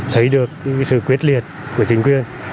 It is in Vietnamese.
thấy được sự quyết liệt của chính quyền